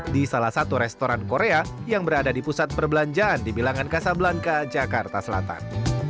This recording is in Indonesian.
di salah satu restoran korea yang berada di pusat perbelanjaan di bilangan kasablanca jakarta selatan